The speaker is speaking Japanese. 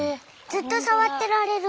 ずっとさわってられる！